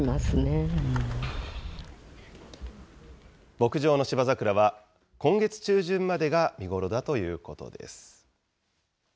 牧場の芝桜は、今月中旬までが見頃だということです。